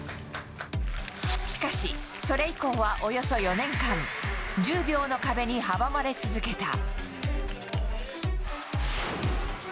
しかし、それ以降はおよそ４年間、１０秒の壁に阻まれ続けた。